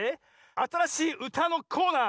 あたらしいうたのコーナー